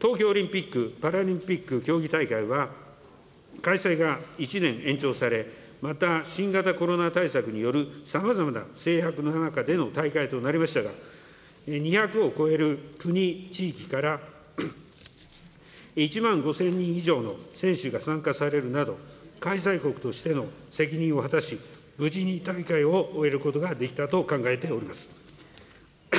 東京オリンピック・パラリンピック競技大会は、開催が１年延長され、また、新型コロナ対策によるさまざまな制約の中での大会となりましたが、２００を超える国、地域から１万５０００人以上の選手が参加されるなど、開催国としての責任を果たし、無事に大会を終えることができたと考えております。